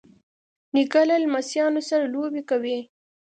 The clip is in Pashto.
نیکه له لمسیانو سره لوبې کوي.